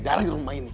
dalah di rumah ini